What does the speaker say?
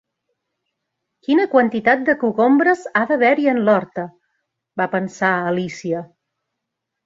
"Quina quantitat de cogombres ha d'haver-hi en l'horta!", va pensar Alicia.